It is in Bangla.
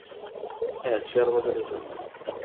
হ্যাঁ, শেয়ারবাজারের জন্য।